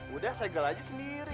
udah segel aja sendiri